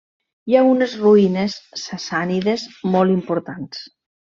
Hi ha unes ruïnes sassànides molt importants.